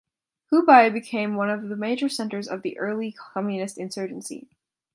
Hubei became one of the major centers of the early Communist insurgency.